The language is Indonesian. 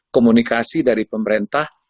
komunikasi dari pemerintah